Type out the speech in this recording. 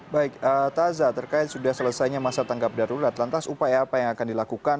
baik taza terkait sudah selesainya masa tanggap darurat lantas upaya apa yang akan dilakukan